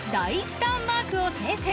ターンマークを制す。